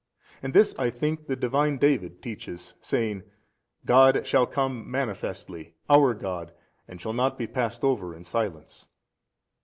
And this I think the Divine David teaches saying, God shall come manifestly, our God, and shall not be passed over in silence.